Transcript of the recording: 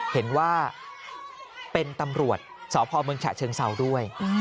เห็นว่าเป็นตำรวจสพเมืองฉะเชิงเศร้าด้วย